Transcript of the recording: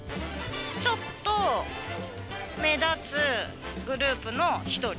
ちょっと目立つグループの１人。